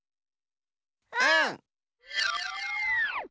うん！